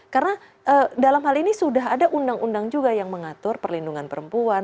karena dalam hal ini sudah ada undang undang juga yang mengatur perlindungan perempuan